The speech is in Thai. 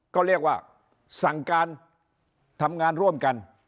ก็เรียกว่าสั่งการทำงานร่วมกัน